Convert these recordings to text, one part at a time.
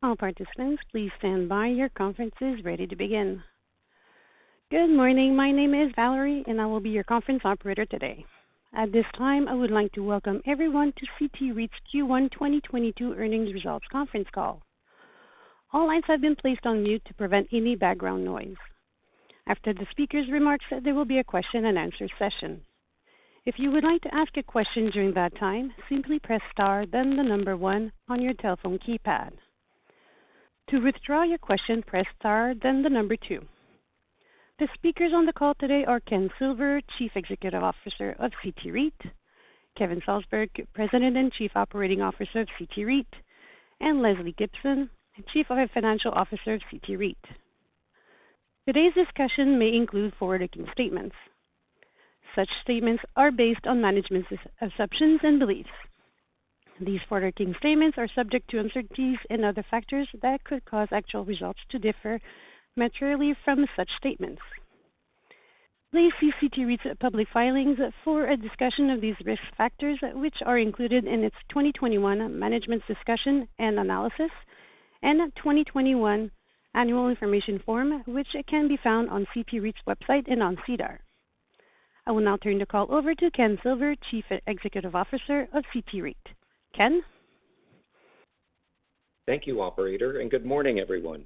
All participants, please stand by. Your conference is ready to begin. Good morning. My name is Valerie, and I will be your conference operator today. At this time, I would like to welcome everyone to CT REIT's Q1 2022 earnings results conference call. All lines have been placed on mute to prevent any background noise. After the speaker's remarks, there will be a question-and-answer session. If you would like to ask a question during that time, simply press star then the number one on your telephone keypad. To withdraw your question, press star then the number two. The speakers on the call today are Ken Silver, Chief Executive Officer of CT REIT, Kevin Salsberg, President and Chief Operating Officer of CT REIT, and Lesley Gibson, the Chief Financial Officer of CT REIT. Today's discussion may include forward-looking statements. Such statements are based on management's assumptions and beliefs. These forward-looking statements are subject to uncertainties and other factors that could cause actual results to differ materially from such statements. Please see CT REIT's public filings for a discussion of these risk factors, which are included in its 2021 Management's Discussion and Analysis and 2021 Annual Information Form, which can be found on CT REIT's website and on SEDAR. I will now turn the call over to Ken Silver, Chief Executive Officer of CT REIT. Ken. Thank you, operator, and good morning, everyone.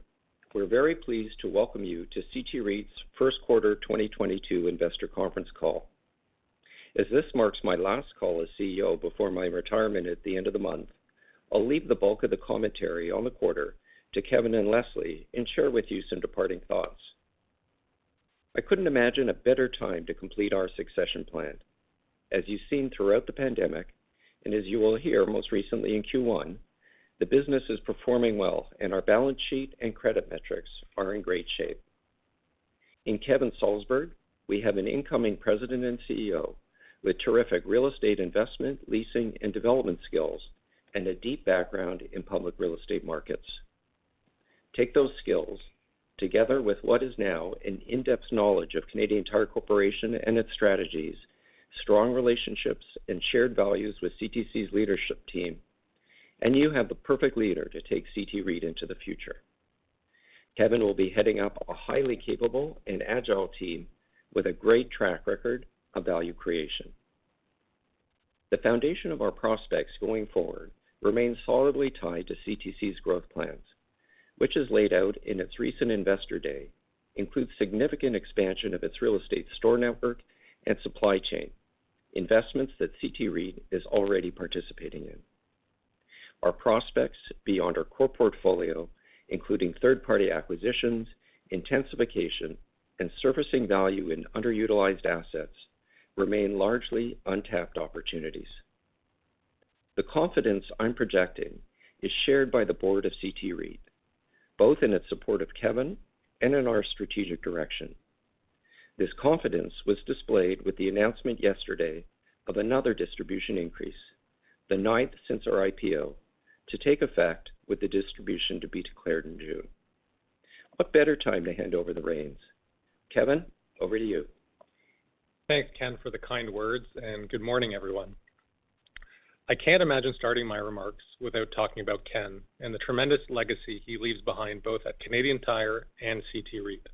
We're very pleased to welcome you to CT REIT's first quarter 2022 investor conference call. As this marks my last call as CEO before my retirement at the end of the month, I'll leave the bulk of the commentary on the quarter to Kevin Salsberg and Lesley and share with you some departing thoughts. I couldn't imagine a better time to complete our succession plan. As you've seen throughout the pandemic, and as you will hear most recently in Q1, the business is performing well, and our balance sheet and credit metrics are in great shape. In Kevin Salsberg, we have an incoming president and CEO with terrific real estate investment, leasing, and development skills, and a deep background in public real estate markets. Take those skills together with what is now an in-depth knowledge of Canadian Tire Corporation and its strategies, strong relationships and shared values with CTC's leadership team, and you have the perfect leader to take CT REIT into the future. Kevin will be heading up a highly capable and agile team with a great track record of value creation. The foundation of our prospects going forward remains solidly tied to CTC's growth plans, which is laid out in its recent Investor Day, includes significant expansion of its real estate store network and supply chain, investments that CT REIT is already participating in. Our prospects beyond our core portfolio, including third-party acquisitions, intensification, and surfacing value in underutilized assets, remain largely untapped opportunities. The confidence I'm projecting is shared by the board of CT REIT, both in its support of Kevin and in our strategic direction. This confidence was displayed with the announcement yesterday of another distribution increase, the ninth since our IPO, to take effect with the distribution to be declared in June. What better time to hand over the reins? Kevin, over to you. Thanks, Ken, for the kind words, and good morning, everyone. I can't imagine starting my remarks without talking about Ken and the tremendous legacy he leaves behind, both at Canadian Tire and CT REIT.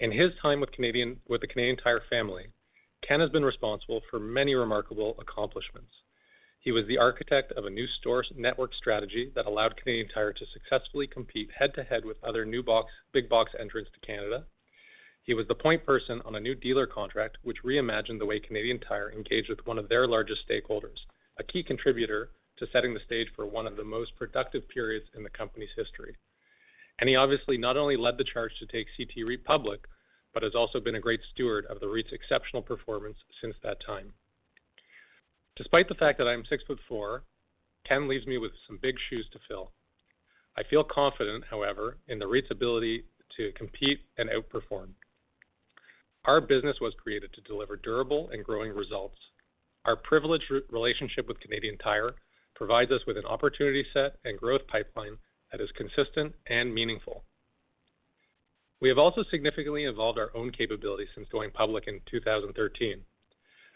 In his time with the Canadian Tire family, Ken has been responsible for many remarkable accomplishments. He was the architect of a new store network strategy that allowed Canadian Tire to successfully compete head to head with other big box entrants to Canada. He was the point person on a new dealer contract, which reimagined the way Canadian Tire engaged with one of their largest stakeholders, a key contributor to setting the stage for one of the most productive periods in the company's history. He obviously not only led the charge to take CT REIT public, but has also been a great steward of the REIT's exceptional performance since that time. Despite the fact that I am 6 ft 4, Ken leaves me with some big shoes to fill. I feel confident, however, in the REIT's ability to compete and outperform. Our business was created to deliver durable and growing results. Our privileged relationship with Canadian Tire provides us with an opportunity set and growth pipeline that is consistent and meaningful. We have also significantly evolved our own capabilities since going public in 2013.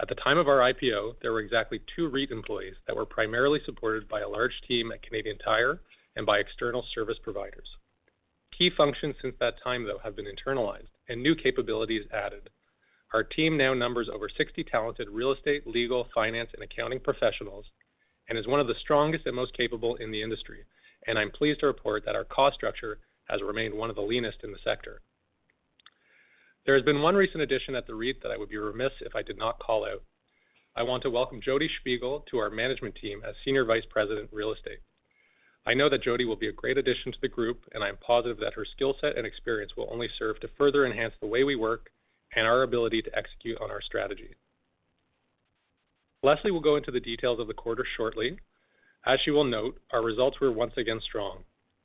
At the time of our IPO, there were exactly two REIT employees that were primarily supported by a large team at Canadian Tire and by external service providers. Key functions since that time, though, have been internalized and new capabilities added. Our team now numbers over 60 talented real estate, legal, finance, and accounting professionals and is one of the strongest and most capable in the industry. I'm pleased to report that our cost structure has remained one of the leanest in the sector. There has been one recent addition at the REIT that I would be remiss if I did not call out. I want to welcome Jodi Shpigel to our management team as Senior Vice-President, Real Estate. I know that Jodi will be a great addition to the group, and I am positive that her skill set and experience will only serve to further enhance the way we work and our ability to execute on our strategy. Lesley will go into the details of the quarter shortly. As she will note, our results were once again strong.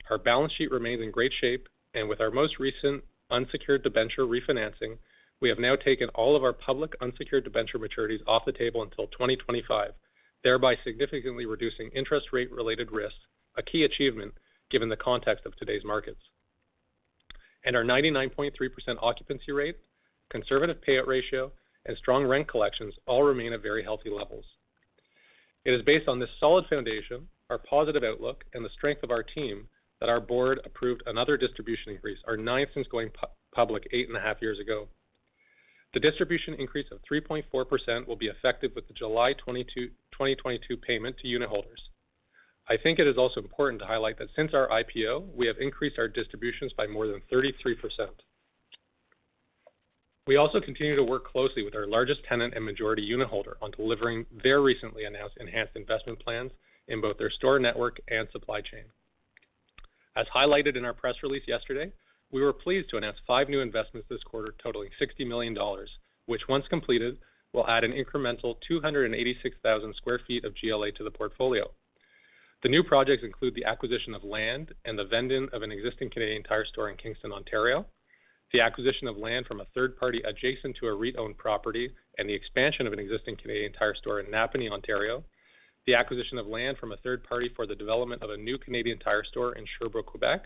Our balance sheet remains in great shape, and with our most recent unsecured debenture refinancing, we have now taken all of our public unsecured debenture maturities off the table until 2025, thereby significantly reducing interest rate-related risks, a key achievement given the context of today's markets. Our 99.3% occupancy rate, conservative payout ratio, and strong rent collections all remain at very healthy levels. It is based on this solid foundation, our positive outlook, and the strength of our team that our board approved another distribution increase, our ninth since going public eight and a half years ago. The distribution increase of 3.4% will be effective with the July 22, 2022 payment to unitholders. I think it is also important to highlight that since our IPO, we have increased our distributions by more than 33%. We also continue to work closely with our largest tenant and majority unitholder on delivering their recently announced enhanced investment plans in both their store network and supply chain. As highlighted in our press release yesterday, we were pleased to announce five new investments this quarter totaling 60 million dollars, which once completed, will add an incremental 286,000 sq ft of GLA to the portfolio. The new projects include the acquisition of land and the vend-in of an existing Canadian Tire store in Kingston, Ontario, the acquisition of land from a third party adjacent to a REIT-owned property, and the expansion of an existing Canadian Tire store in Napanee, Ontario, the acquisition of land from a third party for the development of a new Canadian Tire store in Sherbrooke, Quebec,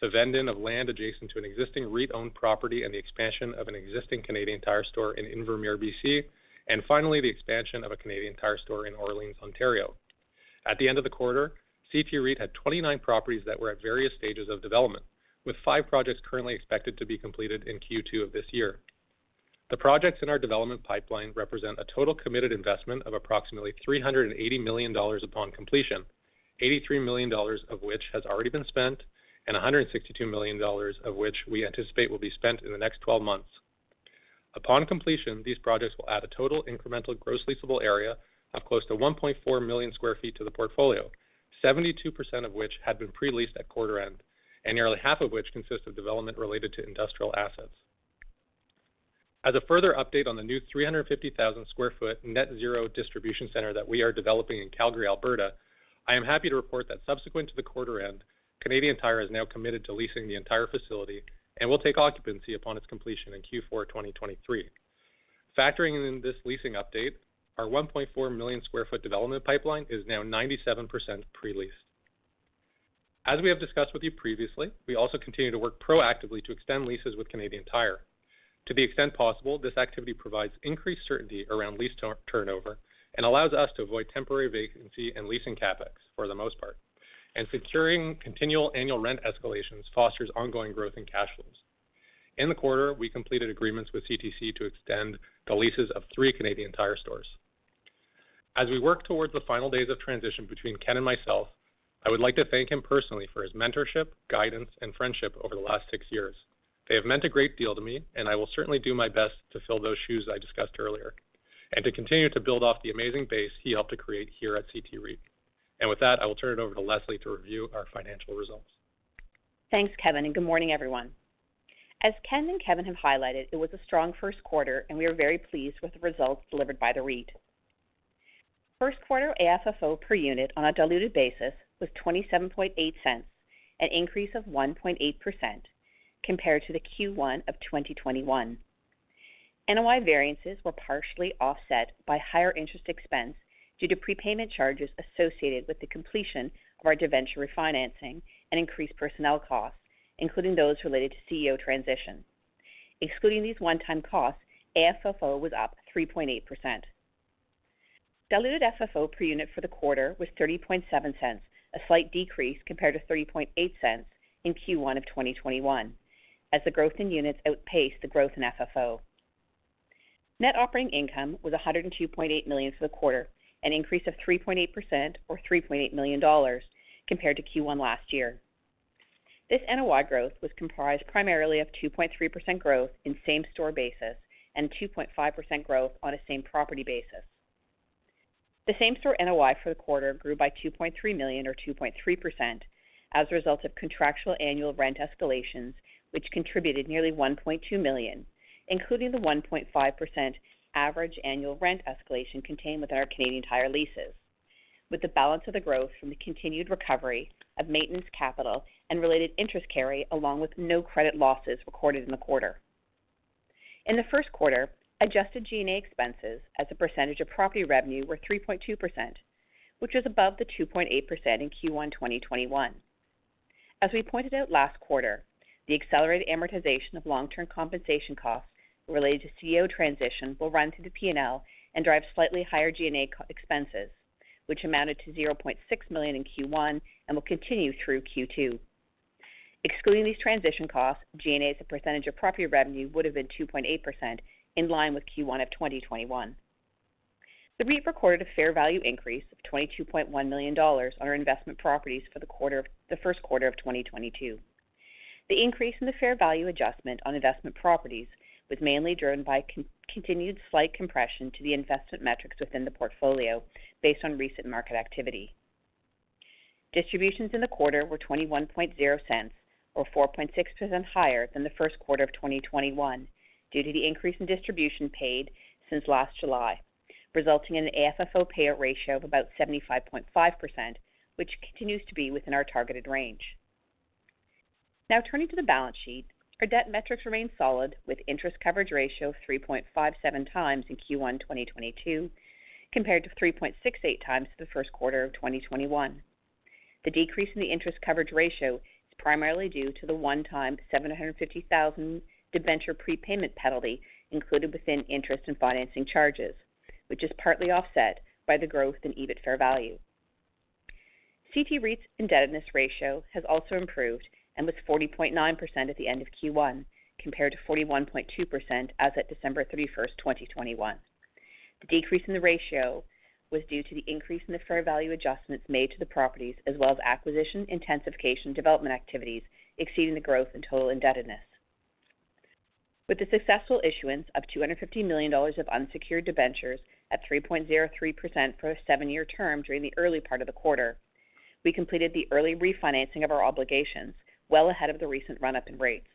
the vend-in of land adjacent to an existing REIT-owned property, and the expansion of an existing Canadian Tire store in Invermere, BC, and finally, the expansion of a Canadian Tire store in Orleans, Ontario. At the end of the quarter, CT REIT had 29 properties that were at various stages of development, with five projects currently expected to be completed in Q2 of this year. The projects in our development pipeline represent a total committed investment of approximately 380 million dollars upon completion, 83 million dollars of which has already been spent, and 162 million dollars of which we anticipate will be spent in the next 12 months. Upon completion, these projects will add a total incremental gross leasable area of close to 1.4 million sq ft to the portfolio, 72% of which had been pre-leased at quarter end, and nearly half of which consists of development related to industrial assets. As a further update on the new 350,000 sq ft net zero distribution center that we are developing in Calgary, Alberta, I am happy to report that subsequent to the quarter end, Canadian Tire is now committed to leasing the entire facility and will take occupancy upon its completion in Q4 2023. Factoring in this leasing update, our 1.4 million sq ft development pipeline is now 97% pre-leased. As we have discussed with you previously, we also continue to work proactively to extend leases with Canadian Tire. To the extent possible, this activity provides increased certainty around lease turnover and allows us to avoid temporary vacancy and leasing CapEx for the most part, and securing continual annual rent escalations fosters ongoing growth in cash flows. In the quarter, we completed agreements with CTC to extend the leases of three Canadian Tire stores. As we work towards the final days of transition between Ken and myself, I would like to thank him personally for his mentorship, guidance, and friendship over the last six years. They have meant a great deal to me, and I will certainly do my best to fill those shoes I discussed earlier and to continue to build off the amazing base he helped to create here at CT REIT. With that, I will turn it over to Lesley to review our financial results. Thanks, Kevin, and good morning, everyone. As Ken and Kevin have highlighted, it was a strong first quarter, and we are very pleased with the results delivered by the REIT. First quarter AFFO per unit on a diluted basis was 0.278, an increase of 1.8% compared to the Q1 of 2021. NOI variances were partially offset by higher interest expense due to prepayment charges associated with the completion of our debenture refinancing and increased personnel costs, including those related to CEO transition. Excluding these one-time costs, AFFO was up 3.8%. Diluted FFO per unit for the quarter was 0.307, a slight decrease compared to 0.308 in Q1 of 2021, as the growth in units outpaced the growth in FFO. Net operating income was 102.8 million for the quarter, an increase of 3.8% or 3.8 million dollars compared to Q1 last year. This NOI growth was comprised primarily of 2.3% growth in same-store basis and 2.5% growth on a same-property basis. The same-store NOI for the quarter grew by 2.3 million or 2.3% as a result of contractual annual rent escalations, which contributed nearly 1.2 million, including the 1.5% average annual rent escalation contained within our Canadian Tire leases, with the balance of the growth from the continued recovery of maintenance capital and related interest carry, along with no credit losses recorded in the quarter. In the first quarter, adjusted G&A expenses as a percentage of property revenue were 3.2%, which was above the 2.8% in Q1 2021. As we pointed out last quarter, the accelerated amortization of long-term compensation costs related to CEO transition will run through the P&L and drive slightly higher G&A expenses, which amounted to 0.6 million in Q1 and will continue through Q2. Excluding these transition costs, G&A as a percentage of property revenue would have been 2.8%, in line with Q1 of 2021. The REIT recorded a fair value increase of 22.1 million dollars on our investment properties for the quarter, the first quarter of 2022. The increase in the fair value adjustment on investment properties was mainly driven by continued slight compression to the investment metrics within the portfolio based on recent market activity. Distributions in the quarter were 0.210 or 4.6% higher than the first quarter of 2021 due to the increase in distribution paid since last July, resulting in an AFFO payout ratio of about 75.5%, which continues to be within our targeted range. Now turning to the balance sheet. Our debt metrics remain solid with interest coverage ratio of 3.57x in Q1 2022 compared to 3.68 times for the first quarter of 2021. The decrease in the interest coverage ratio is primarily due to the one-time 750,000 debenture prepayment penalty included within interest and financing charges, which is partly offset by the growth in EBIT fair value. CT REIT's indebtedness ratio has also improved and was 40.9% at the end of Q1 compared to 41.2% as at December 31st, 2021. The decrease in the ratio was due to the increase in the fair value adjustments made to the properties as well as acquisition intensification development activities exceeding the growth in total indebtedness. With the successful issuance of 250 million dollars of unsecured debentures at 3.03% for a 7-year term during the early part of the quarter, we completed the early refinancing of our obligations well ahead of the recent run-up in rates.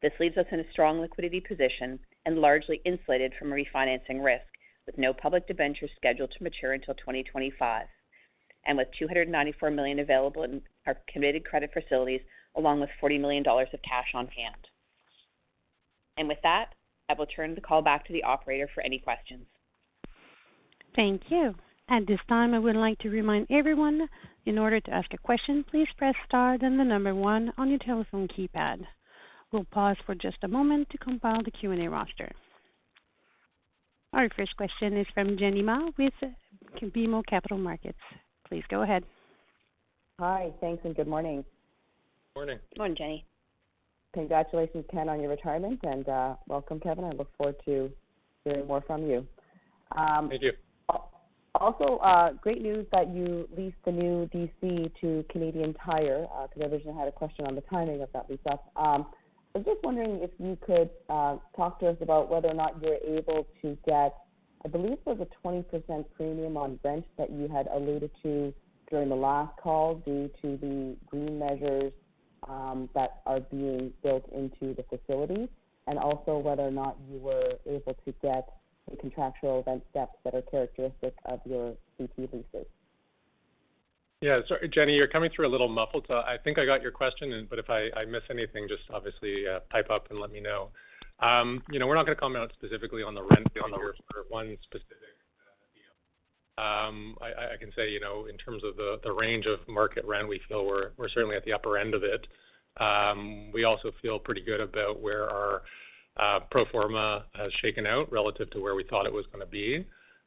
This leaves us in a strong liquidity position and largely insulated from refinancing risk, with no public debentures scheduled to mature until 2025, and with 294 million available in our committed credit facilities, along with 40 million dollars of cash on hand. With that, I will turn the call back to the operator for any questions. Thank you. At this time, I would like to remind everyone, in order to ask a question, please press star then the number one on your telephone keypad. We'll pause for just a moment to compile the Q&A roster. Our first question is from Jenny Ma with BMO Capital Markets. Please go ahead. Hi. Thanks, and good morning. Morning. Morning, Jenny. Congratulations, Ken, on your retirement, and welcome, Kevin. I look forward to hearing more from you. Thank you. Also, great news that you leased the new DC to Canadian Tire, because I originally had a question on the timing of that lease up. I'm just wondering if you could talk to us about whether or not you're able to get, I believe it was a 20% premium on rent that you had alluded to during the last call due to the green measures that are being built into the facility, and also whether or not you were able to get some contractual rent steps that are characteristic of your CT leases. Sorry, Jenny, you're coming through a little muffled. I think I got your question, but if I miss anything, just pipe up and let me know. You know, we're not gonna comment specifically on the rent on theor one specific deal. I can say, you know, in terms of the range of market rent, we feel we're certainly at the upper end of it. We also feel pretty good about where our pro forma has shaken out relative to where we thought it was gonna be.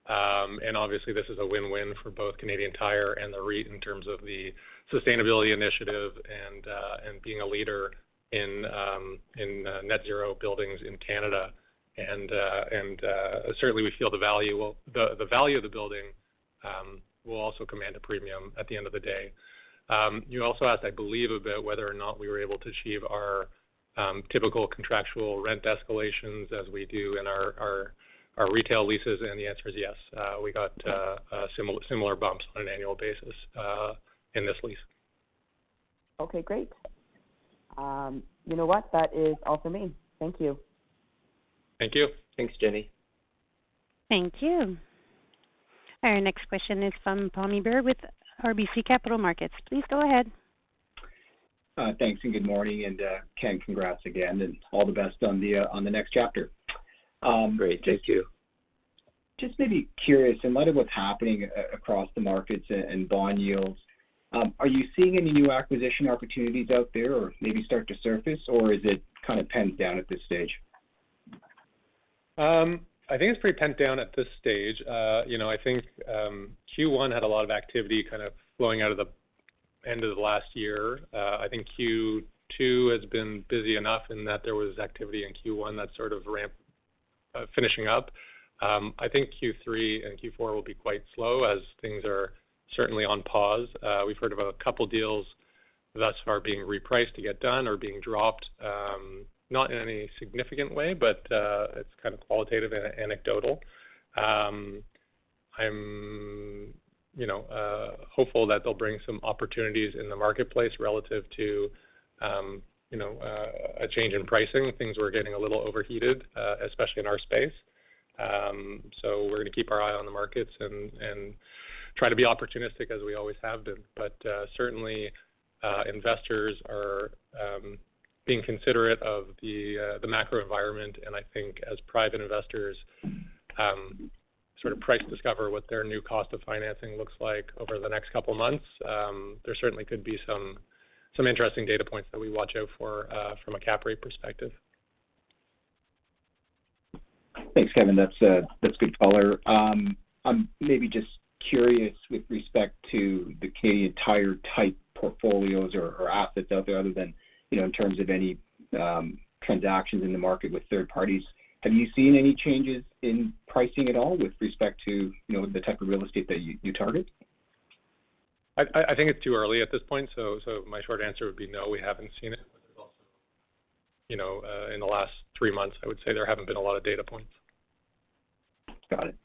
Obviously, this is a win-win for both Canadian Tire and the REIT in terms of the sustainability initiative and being a leader in net zero buildings in Canada. Certainly we feel the value of the building will also command a premium at the end of the day. You also asked, I believe, about whether or not we were able to achieve our typical contractual rent escalations as we do in our retail leases, and the answer is yes. We got similar bumps on an annual basis in this lease. Okay, great. You know what? That is all for me. Thank you. Thank you. Thanks, Jenny. Thank you. Our next question is from Tom Callaghan with RBC Capital Markets. Please go ahead. Thanks, and good morning. Ken, congrats again, and all the best on the next chapter. Great. Thank you. Just maybe curious, in light of what's happening across the markets and bond yields, are you seeing any new acquisition opportunities out there or maybe start to surface, or is it kind of pinned down at this stage? I think it's pretty pinned down at this stage. You know, I think Q1 had a lot of activity kind of flowing out of the end of the last year. I think Q2 has been busy enough in that there was activity in Q1 that sort of finishing up. I think Q3 and Q4 will be quite slow as things are certainly on pause. We've heard of a couple deals thus far being repriced to get done or being dropped, not in any significant way, but it's kind of qualitative and anecdotal. I'm, you know, hopeful that they'll bring some opportunities in the marketplace relative to, you know, a change in pricing. Things were getting a little overheated, especially in our space. We're gonna keep our eye on the markets and try to be opportunistic as we always have been. Certainly, investors are being considerate of the macro environment. I think as private investors sort of price discover what their new cost of financing looks like over the next couple of months, there certainly could be some interesting data points that we watch out for from a cap rate perspective. Thanks, Kevin. That's good color. I'm maybe just curious with respect to the Canadian Tire type portfolios or assets out there other than, you know, in terms of any transactions in the market with third parties. Have you seen any changes in pricing at all with respect to, you know, the type of real estate that you target? I think it's too early at this point, so my short answer would be no, we haven't seen it. There's also, you know, in the last three months, I would say there haven't been a lot of data points. Got it.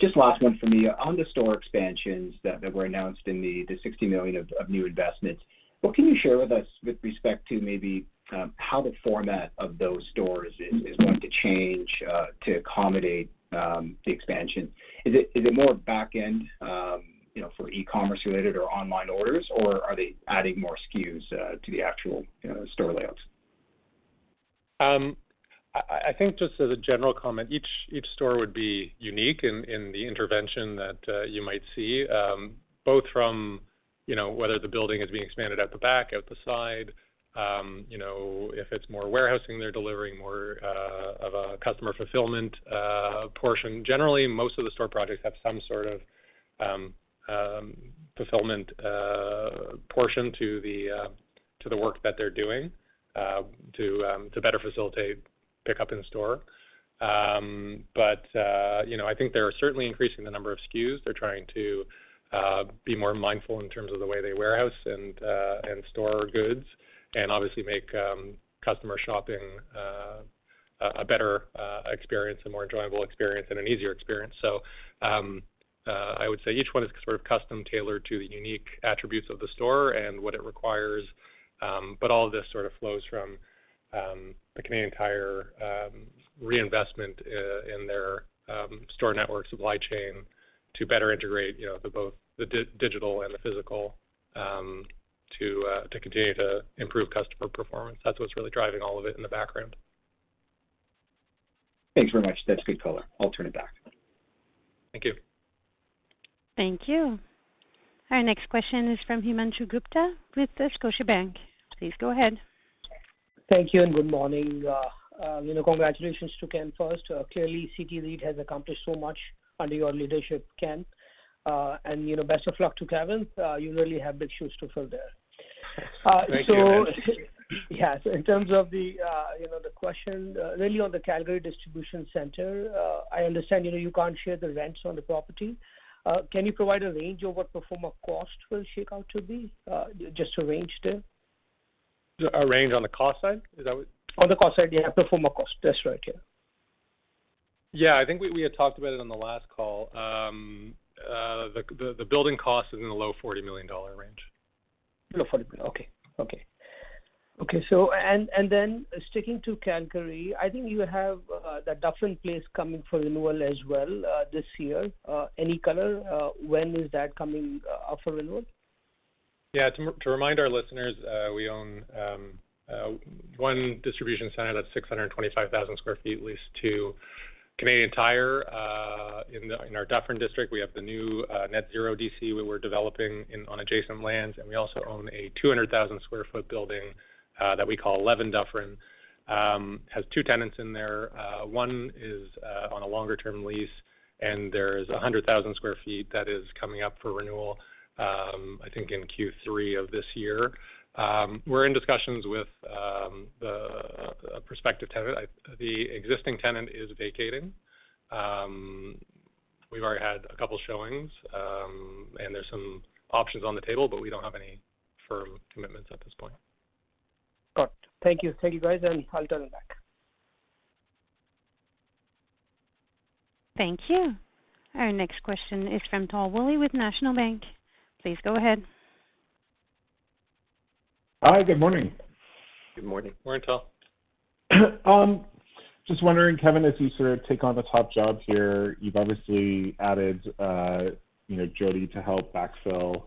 Just last one for me. On the store expansions that were announced in the 60 million of new investments, what can you share with us with respect to maybe how the format of those stores is going to change to accommodate the expansion? Is it more back-end, you know, for e-commerce related or online orders, or are they adding more SKUs to the actual store layouts? I think just as a general comment, each store would be unique in the intervention that you might see, both from, you know, whether the building is being expanded out the back, out the side, you know, if it's more warehousing, they're delivering more of a customer fulfillment portion. Generally, most of the store projects have some sort of fulfillment portion to the work that they're doing to better facilitate pickup in store. You know, I think they are certainly increasing the number of SKUs. They're trying to be more mindful in terms of the way they warehouse and store goods and obviously make customer shopping a better experience, a more enjoyable experience and an easier experience. I would say each one is sort of custom tailored to the unique attributes of the store and what it requires. All of this sort of flows from the Canadian Tire reinvestment in their store network supply chain to better integrate, you know, both the digital and the physical to continue to improve customer performance. That's what's really driving all of it in the background. Thanks very much. That's good color. I'll turn it back. Thank you. Thank you. Our next question is from Himanshu Gupta with Scotiabank. Please go ahead. Thank you, and good morning. You know, congratulations to Ken first. Clearly, CT REIT has accomplished so much under your leadership, Ken. You know, best of luck to Kevin. You really have big shoes to fill there. Thank you. Yeah, in terms of the, you know, the question, really on the Calgary Distribution Center, I understand, you know, you can't share the rents on the property. Can you provide a range of what pro forma cost will shake out to be, just to range there? A range on the cost side? Is that what- On the cost side, yeah, pro forma cost. That's right, yeah. Yeah. I think we had talked about it on the last call. The building cost is in the low 40 million dollar range. Low 40 million. Okay. Sticking to Calgary, I think you have the Dufferin Place coming for renewal as well this year. Any color when is that coming up for renewal? Yeah. To remind our listeners, we own one distribution center that's 625,000 sq ft leased to Canadian Tire in our Dufferin district. We have the new net zero DC we were developing on adjacent lands, and we also own a 200,000 sq ft building that we call Eleven Dufferin. It has two tenants in there. One is on a longer-term lease, and there's 100,000 sq ft that is coming up for renewal, I think in Q3 of this year. We're in discussions with a prospective tenant. The existing tenant is vacating. We've already had a couple showings, and there's some options on the table, but we don't have any firm commitments at this point. Got it. Thank you. Thank you, guys, and I'll turn it back. Thank you. Our next question is from Tal Woolley with National Bank. Please go ahead. Hi. Good morning. Good morning. Morning, Tal. Just wondering, Kevin, as you sort of take on the top job here, you've obviously added, you know, Jodi to help backfill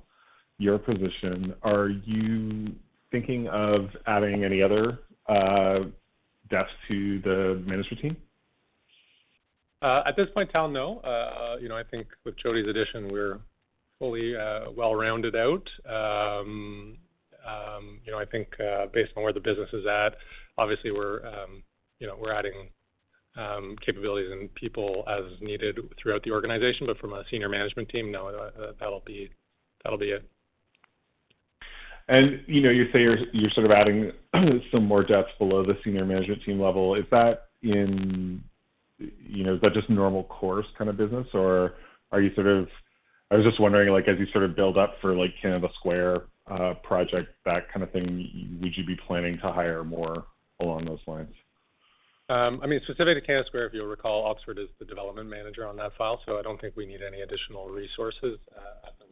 your position. Are you thinking of adding any other execs to the management team? At this point, Tal, no. You know, I think with Jodi's addition, we're fully well-rounded out. You know, I think based on where the business is at, obviously we're you know, we're adding capabilities and people as needed throughout the organization. From a senior management team, no, that'll be it. You know, you say you're sort of adding some more depths below the senior management team level. Is that just normal course kind of business, or are you sort of... I was just wondering, like, as you sort of build up for, like, Canada Square project, that kind of thing, would you be planning to hire more along those lines? I mean, specific to Canada Square, if you'll recall, Oxford is the development manager on that file, so I don't think we need any additional resources at the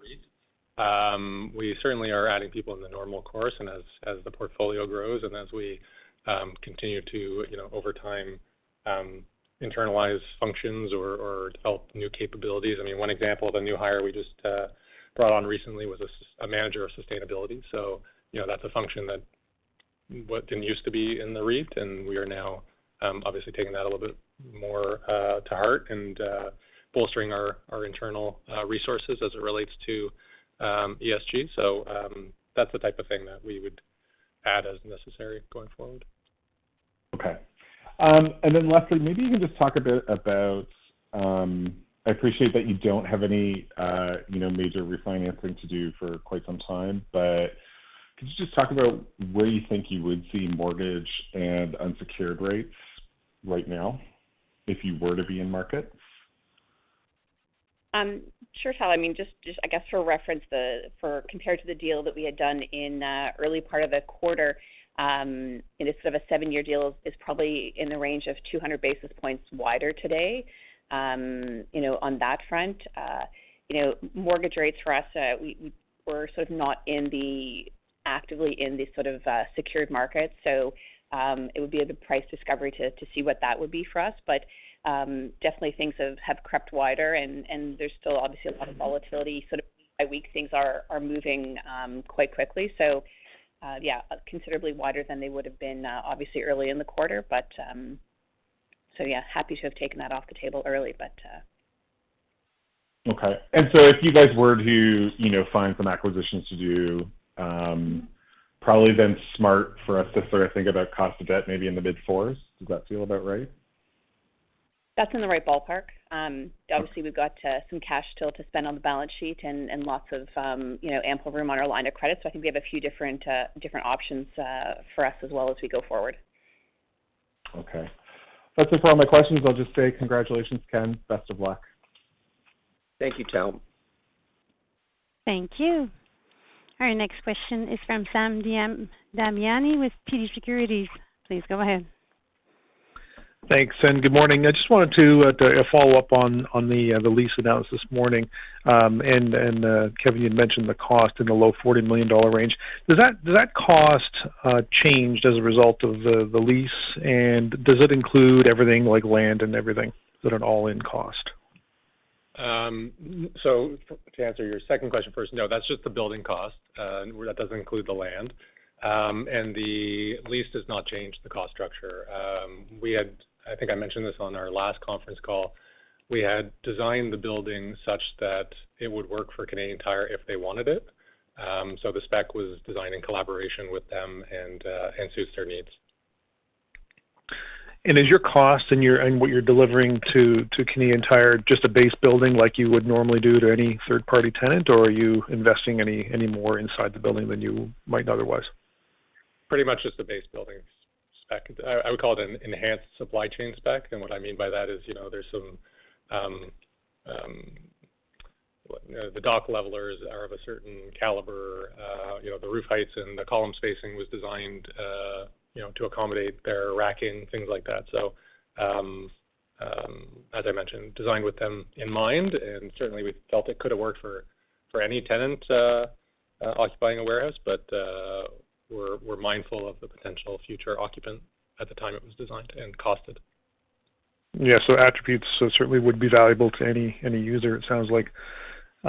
REIT. We certainly are adding people in the normal course and as the portfolio grows and as we continue to, you know, over time, internalize functions or develop new capabilities. I mean, one example of a new hire we just brought on recently was a manager of sustainability. So, you know, that's a function that didn't used to be in the REIT, and we are now obviously taking that a little bit more to heart and bolstering our internal resources as it relates to ESG. So, that's the type of thing that we would add as necessary going forward. Okay. Then Lesley, maybe you can just talk a bit about, I appreciate that you don't have any, you know, major refinancing to do for quite some time. Could you just talk about where you think you would see mortgage and unsecured rates right now if you were to be in markets? Sure, Tal. I mean, just I guess for reference, for comparison to the deal that we had done in early part of the quarter, and it's sort of a seven-year deal is probably in the range of 200 basis points wider today, you know, on that front. You know, mortgage rates for us, we're sort of not actively in the sort of secured market. It would be a good price discovery to see what that would be for us. Definitely things have crept wider and there's still obviously a lot of volatility. Sort of week by week, things are moving quite quickly. Yeah, considerably wider than they would've been, obviously early in the quarter. Happy to have taken that off the table early, but. Okay. If you guys were to, you know, find some acquisitions to do, probably then smart for us to sort of think about cost of debt, maybe in the mid fours. Does that feel about right? That's in the right ballpark. Obviously, we've got some cash still to spend on the balance sheet and lots of, you know, ample room on our line of credit. I think we have a few different options for us as well as we go forward. Okay. That's it for all my questions. I'll just say congratulations, Ken. Best of luck. Thank you, Tom. Thank you. Our next question is from Sam Damiani with TD Securities. Please go ahead. Thanks, and good morning. I just wanted to do a follow-up on the lease announced this morning. Kevin, you mentioned the cost in the low 40 million dollar range. Does that cost change as a result of the lease? Does it include everything like land and everything at an all-in cost? To answer your second question first, no, that's just the building cost. That doesn't include the land. The lease does not change the cost structure. I think I mentioned this on our last conference call. We had designed the building such that it would work for Canadian Tire if they wanted it. The spec was designed in collaboration with them and suits their needs. Is your cost and what you're delivering to Canadian Tire just a base building like you would normally do to any third-party tenant? Or are you investing any more inside the building than you might otherwise? Pretty much just the base building spec. I would call it an enhanced supply chain spec. What I mean by that is, you know, there's some, the dock levelers are of a certain caliber, you know, the roof heights and the column spacing was designed, you know, to accommodate their racking, things like that. So, as I mentioned, designed with them in mind, and certainly we felt it could have worked for any tenant occupying a warehouse. We're mindful of the potential future occupant at the time it was designed and costed. Attributes certainly would be valuable to any user, it sounds like.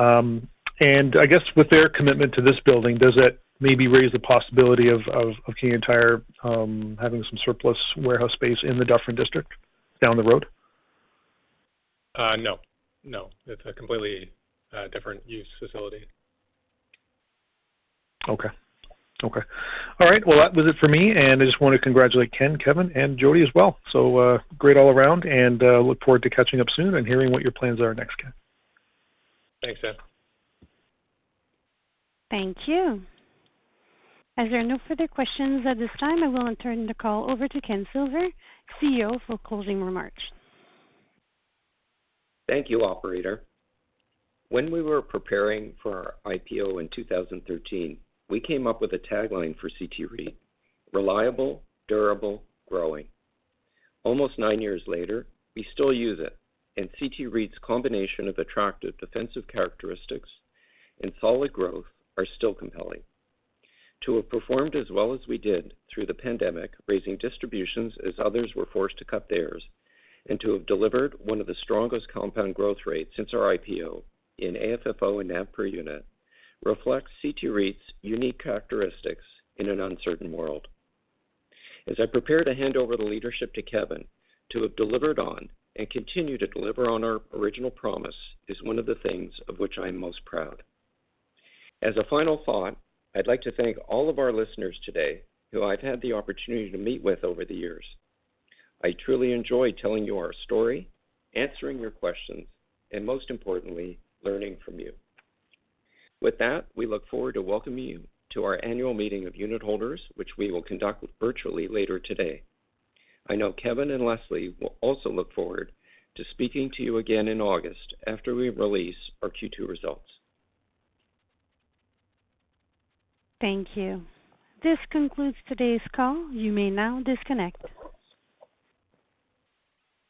I guess with their commitment to this building, does it maybe raise the possibility of Canadian Tire having some surplus warehouse space in the Dufferin district down the road? No. It's a completely different-use facility. Okay. All right. Well, that was it for me, and I just wanna congratulate Ken, Kevin, and Jodi as well. Great all around, and look forward to catching up soon and hearing what your plans are next, Ken. Thanks, Sam. Thank you. As there are no further questions at this time, I will turn the call over to Ken Silver, CEO, for closing remarks. Thank you, operator. When we were preparing for our IPO in 2013, we came up with a tagline for CT REIT, "Reliable, durable, growing." Almost nine years later, we still use it, and CT REIT's combination of attractive defensive characteristics and solid growth are still compelling. To have performed as well as we did through the pandemic, raising distributions as others were forced to cut theirs, and to have delivered one of the strongest compound growth rates since our IPO in AFFO and FFO per unit reflects CT REIT's unique characteristics in an uncertain world. As I prepare to hand over the leadership to Kevin, to have delivered on and continue to deliver on our original promise is one of the things of which I am most proud. As a final thought, I'd like to thank all of our listeners today who I've had the opportunity to meet with over the years. I truly enjoy telling you our story, answering your questions, and most importantly, learning from you. With that, we look forward to welcoming you to our annual meeting of unit holders, which we will conduct virtually later today. I know Kevin and Lesley will also look forward to speaking to you again in August after we release our Q2 results. Thank you. This concludes today's call. You may now disconnect.